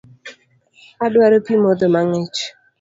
Adwaro pii modho mang'ich